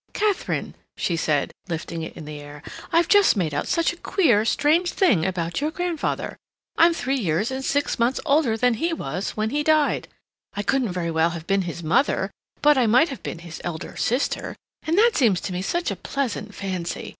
"Katharine," she said, lifting it in the air, "I've just made out such a queer, strange thing about your grandfather. I'm three years and six months older than he was when he died. I couldn't very well have been his mother, but I might have been his elder sister, and that seems to me such a pleasant fancy.